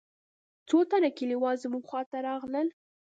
څو تنه كليوال زموږ خوا ته راغلل.